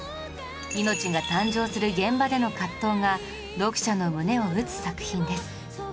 命が誕生する現場での葛藤が読者の胸を打つ作品です